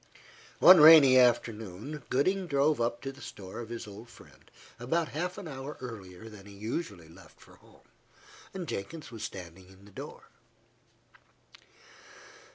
One rainy afternoon, Gooding drove up to the store of his old friend, about half an hour earlier than he usually left for home. Jenkins was standing in the door.